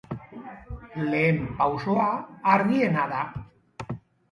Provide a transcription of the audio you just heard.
Lehen pausoa argiena da.